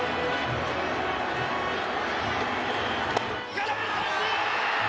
空振り三振！